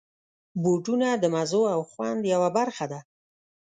بوټونه د مزو او خوند یوه برخه ده.